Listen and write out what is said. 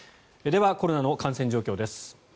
ではコロナの感染状況です。